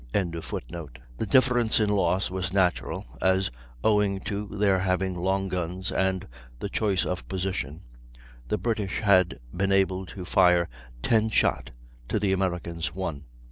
] The difference in loss was natural, as, owing to their having long guns and the choice of position, the British had been able to fire ten shot to the Americans' one.